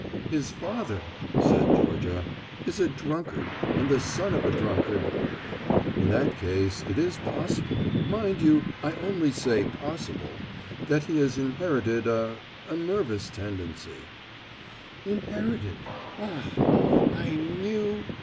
"His father," said Georgia, "is a drunkard and the son of a drunkard." "In that case it is possible, mind you I only say possible, that he has inherited a a nervous tendency." "Inherited, ah, I knew.